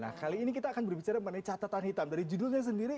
nah kali ini kita akan berbicara mengenai catatan hitam dari judulnya sendiri